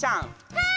はい。